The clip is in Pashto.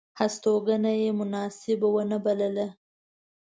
هستوګنه یې مناسبه ونه بلله.